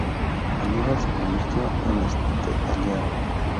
Aníbal se convirtió en este aliado.